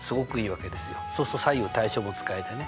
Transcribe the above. そうすると左右対称も使えてね。